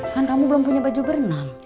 kan kamu belum punya baju berenang